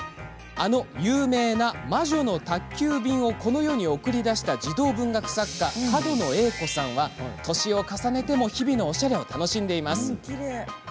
あの有名な「魔女の宅急便」をこの世に送り出した児童文学作家角野栄子さんは、年を重ねても日々のおしゃれを楽しんでいます。